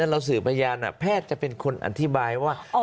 เราสื่อพยานแพทย์จะเป็นคนอธิบายว่า